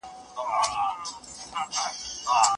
کليوال ژوند د ښاري ژوند په پرتله ډېر ساده دی.